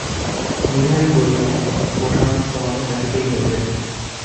বিহারী বলিয়া উঠিল, বোঠান, তোমাকে থাকিতেই হইবে।